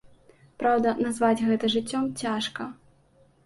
Праўда, назваць гэта жыццём цяжка.